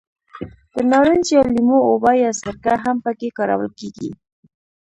د نارنج یا لیمو اوبه یا سرکه هم په کې کارول کېږي.